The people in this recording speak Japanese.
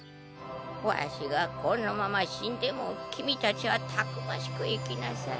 わしがこのまま死んでも君たちはたくましく生きなさい。